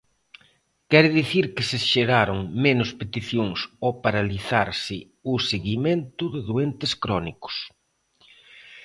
Quere dicir que se xeraron menos peticións ao paralizarse o seguimento de doentes crónicos.